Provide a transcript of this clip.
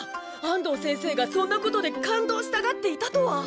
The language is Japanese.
安藤先生がそんなことで感動したがっていたとは。